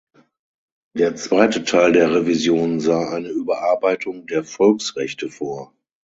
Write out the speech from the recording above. Der zweite Teil der Revision sah eine Überarbeitung der Volksrechte vor.